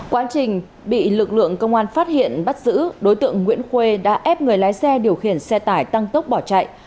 quá trình bị lực lượng công an phát hiện bắt giữ đối tượng nguyễn khuê đã ép người lái xe điều khiển xe tải tăng tốc bỏ chạy